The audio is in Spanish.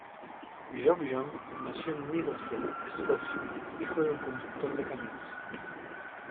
Jock Young nació en Midlothian, Escocia, hijo de un conductor de camiones.